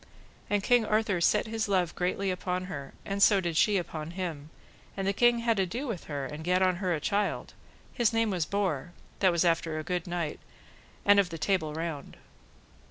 And King Arthur set his love greatly upon her, and so did she upon him, and the king had ado with her, and gat on her a child: his name was Borre, that was after a good knight, and of the Table Round.